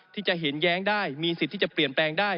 ที่จะเห็นแย้งได้มีสิทธิ์ที่จะเปลี่ยนแปลงได้